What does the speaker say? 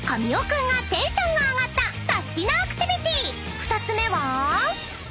［２つ目は］